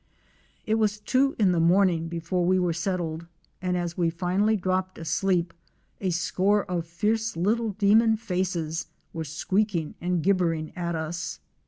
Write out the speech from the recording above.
It was two in the morning before we were settled, and as we finally dropped asleep a score of fierce little demon faces were squeaking and gibbering at us.